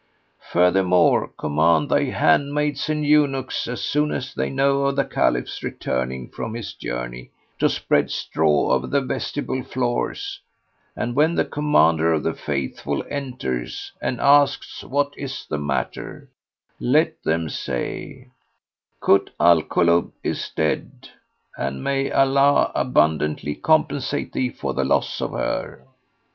[FN#116] Furthermore command thy handmaids and eunuchs as soon as they know of the Caliph's returning from his journey, to spread straw over the vestibule floors and, when the Commander of the Faithful enters and asks what is the matter, let them say:— Kut al Kulub is dead, and may Allah abundantly compensate thee for the loss of her!